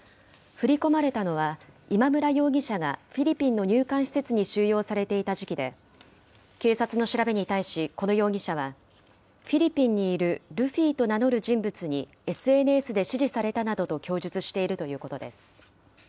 振り込まれたのは、今村容疑者がフィリピンの入管施設に収容されていた時期で、警察の調べに対し、この容疑者は、フィリピンにいるルフィと名乗る人物にＳＮＳで指示されたなどと供述しているということです。